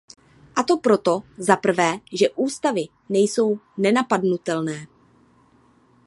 A to proto, zaprvé, že ústavy nejsou nenapadnutelné.